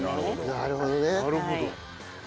なるほど。